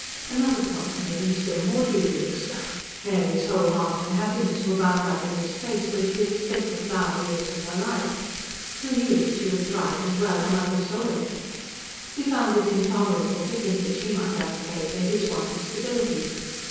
Another point made him still more dubious. Mary's whole heart and happiness were bound up in this place where she had spent the flower years of her life: who knew if she would thrive as well on other soil? He found it intolerable to think that she might have to pay for his want of stability.